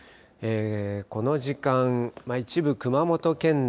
この時間、一部、熊本県内